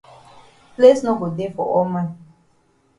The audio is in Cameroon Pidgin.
Place no go dey for all man.